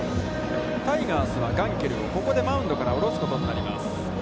タイガースはガンケルを、ここでマウンドからおろすことになります。